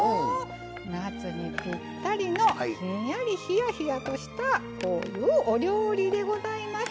夏にぴったりのひんやりひやひやとしたこういうお料理でございます。